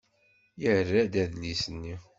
Yerra-d adlis-nni.